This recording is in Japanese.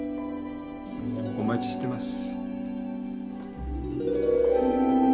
お待ちしてます。